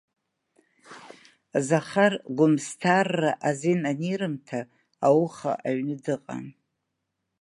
Захар Гәымсҭа арра азин анирымҭа, ауха аҩны дыҟан.